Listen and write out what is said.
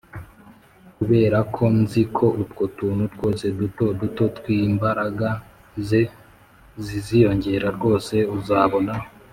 kuberako nzi ko utwo tuntu twose duto duto twimbaraga ze ziziyongera rwose, uzabona